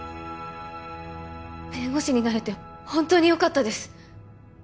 弁護士になれて本当によかったです